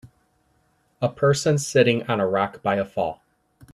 A person sitting on a rock by a fall.